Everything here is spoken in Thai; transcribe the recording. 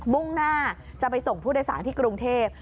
มุ่งหน้าจะไปส่งผู้โดยสารที่กรุงเทพ